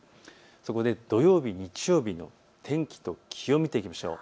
そこで土曜日、日曜日の天気と気温を見ていきましょう。